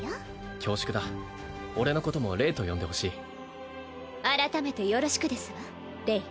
恐縮だ俺のこともレイと呼んでほしい改めてよろしくですわレイ